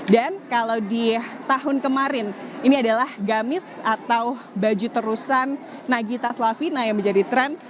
dan kalau di tahun kemarin ini adalah gamis atau baju terusan nagita slavina yang menjadi tren